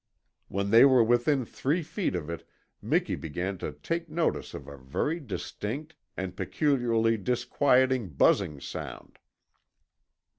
When they were within three feet of it Miki began to take notice of a very distinct and peculiarly disquieting buzzing sound.